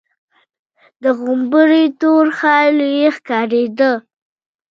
د غومبري تور خال يې ښکارېده.